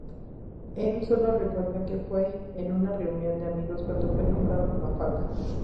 Él sólo recuerda que fue en una reunión de amigos cuando fue nombrado "Mafalda".